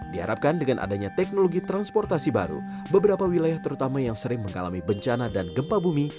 diharapkan dengan adanya teknologi transportasi baru beberapa wilayah terutama yang sering mengalami bencana dan gempa bumi